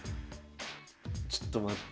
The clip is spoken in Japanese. ちょっと待って。